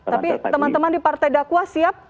tapi teman teman di partai dakwah siap